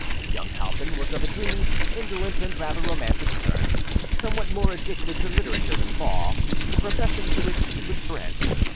Young Halpin was of a dreamy, indolent and rather romantic turn, somewhat more addicted to literature than law, the profession to which he was bred.